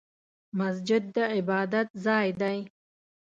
مسجد د عبادت ځای دی